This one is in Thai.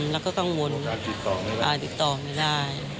แล้วก็กังวลติดต่อไม่ได้